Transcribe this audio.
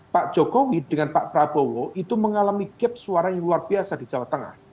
pak jokowi dengan pak prabowo itu mengalami gap suara yang luar biasa di jawa tengah